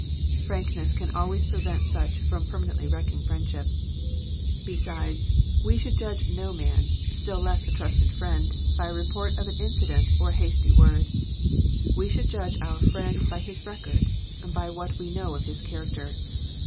Frankness can always prevent such from permanently wrecking friendship. Be 149 Digitized by VjOOQIC THE WRECK OF FRIENDSHIP sides, we should judge no man, still less a trusted friend, by a report of an inci dent or a hasty word. We should judge our friend by his record, by what we know of his character.